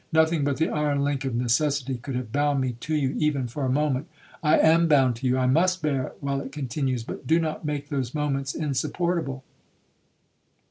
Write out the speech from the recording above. Nothing but the iron link of necessity could have bound me to you even for a moment. I am bound to you,—I must bear it while it continues, but do not make those moments insupportable.